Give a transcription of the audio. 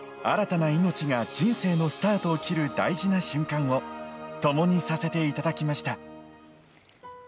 新たな命が人生のスタートを切る大事な瞬間を共にさせていただきました。